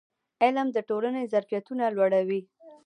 علم د ټولنې ظرفیتونه لوړوي.